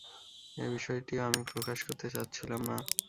এ বিষয়টিও আমি প্রকাশ করতে চাচ্ছিলাম না।